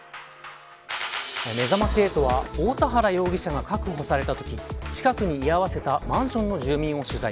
めざまし８は大田原容疑者が確保されたとき近くに居合わせたマンションの住民を取材。